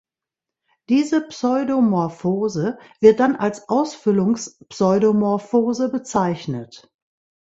Diese Pseudomorphose wird dann als "Ausfüllungs-Pseudomorphose" bezeichnet.